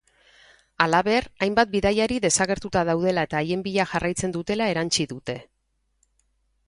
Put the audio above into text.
Halaber, hainbat bidaiari desagertuta daudela eta haien bila jarraitzen dutela erantsi dute.